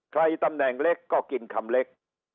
ตำแหน่งเล็กก็กินคำเล็ก